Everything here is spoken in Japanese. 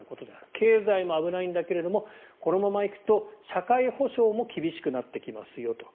経済も危ないんだけどこのままいくと社会保障も厳しくなってきますよと。